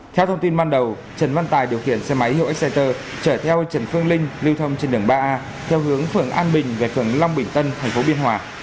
theo thông tin ban đầu trần văn tài điều khiển xe máy hiệu exct chở theo trần phương linh lưu thông trên đường ba a theo hướng phường an bình về phường long bình tân tp biên hòa